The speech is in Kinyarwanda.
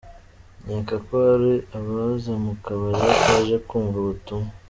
Nkeka ko hari abaza mu kabari bataje kumva ubutumwa.